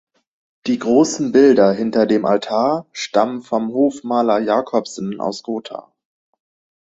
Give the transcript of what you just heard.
Die großen Bilder hinter dem Altar stammen vom Hofmaler Jacobsen aus Gotha.